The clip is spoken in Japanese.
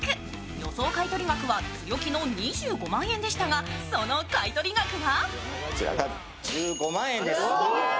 予想買い取り額は強気の２５万円でしたが、その買い取り額は？